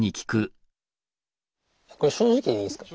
これ正直でいいですか？